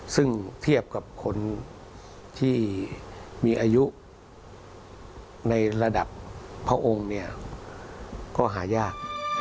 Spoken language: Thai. ซึ่งเทียบกับคนที่มีอายุในระดับพระองค์เนี่ยก็หายาก